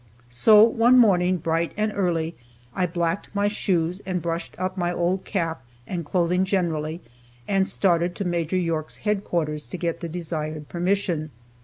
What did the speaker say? So one morning, bright and early, I blacked my shoes and brushed up my old cap and clothing generally, and started to Maj. York's headquarters to get the desired permission.